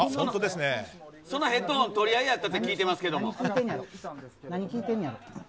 そのヘッドホン取り合いになったって聞いてますけど。